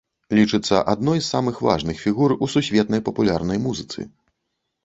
Лічыцца адной з самых важных фігур у сусветнай папулярнай музыцы.